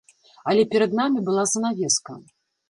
Але перад намі была занавеска.